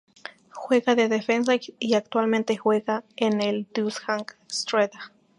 Juega de defensa y actualmente juega en el Dunajská Streda.